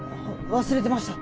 忘れてました。